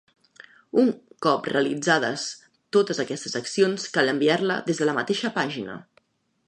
Un cop realitzades totes aquestes accions cal enviar-la des de la mateixa pàgina.